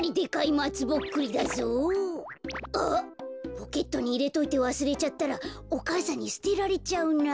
ポケットにいれといてわすれちゃったらお母さんにすてられちゃうな。